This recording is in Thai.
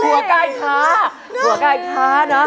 หัวกายค้าหัวกายค้าเนอะ